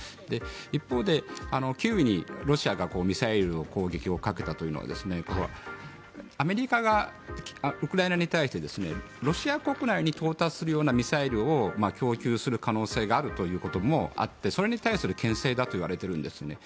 一方で、キーウにロシアがミサイル攻撃をかけたというのはアメリカがウクライナに対してロシア国内に到達するようなミサイルを供給する可能性があるということもあってそれに対するけん制だといわれているんですね。